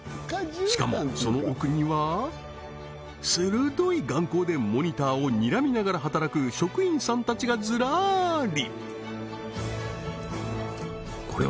しかもその奥には鋭い眼光でモニターをにらみながら働く職員さんたちがずらり！